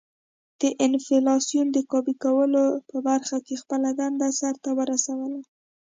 د انفلاسیون د کابو کولو په برخه کې خپله دنده سر ته ورسوله.